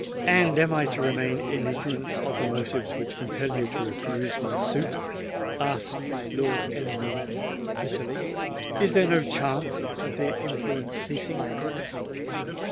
"And am I to remain in ignorance of the motives which compel you to refuse my suit?" asked Lord Ellingham bitterly. "Is there no chance of their influence ceasing?